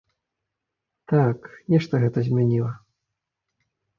Так, нешта гэта змяніла.